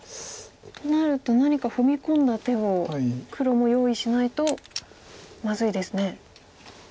となると何か踏み込んだ手を黒も用意しないとまずいですね。